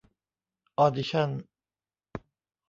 ออดิชั่น